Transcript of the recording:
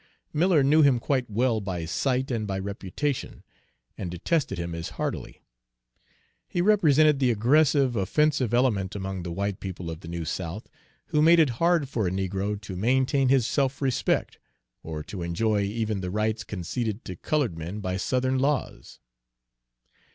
Miller knew him quite well by sight and by reputation, and detested him as heartily. He represented the aggressive, offensive element among the white people of the New South, who made it hard for a negro to maintain his self respect or to enjoy even the rights conceded to colored men by Southern laws.